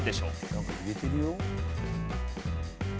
なんか入れてるよ？